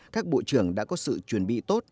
các bộ trưởng đã có sự chuẩn bị tốt